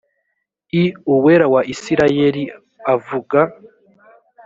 l uwera wa isirayeli avuga